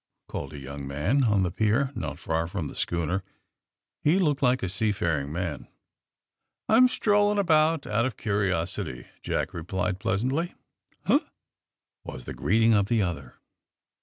called a young man on the pier not far from the schooner. He looked like a seafaring man. I'm strolling about out of curiosity," Jack replied pleasantly. Huh!" was the greeting of the other.